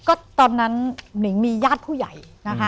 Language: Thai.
ก็ตอนนั้นหนิงมีญาติผู้ใหญ่นะคะ